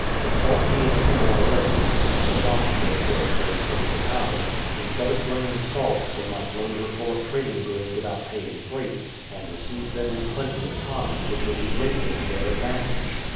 Her salt being here already, and a dock built where it lay safely housed, instead of bringing salt, they might load her full of trading goods without paying freight, and receive them in plenty of time, which would be greatly to their advantage.